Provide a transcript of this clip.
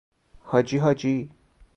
حاجی حاجی